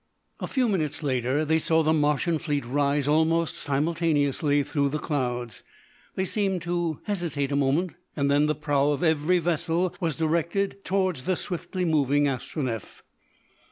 A few minutes later they saw the Martian fleet rise almost simultaneously through the clouds. They seemed to hesitate a moment, and then the prow of every vessel was directed towards the swiftly moving Astronef.